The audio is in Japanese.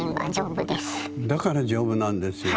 だから丈夫なんですよ。